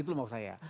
itu yang mau saya